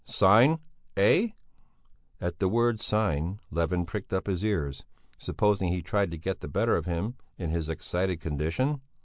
Sign, eh?" At the word sign, Levin pricked up his ears. Supposing he tried to get the better of him in his excited condition?